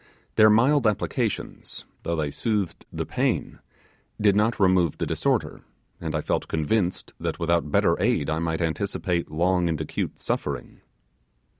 Their mild applications, though they soothed the pain, did not remove the disorder, and I felt convinced that without better aid I might anticipate long and acute suffering.